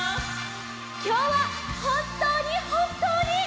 きょうはほんとうにほんとうに。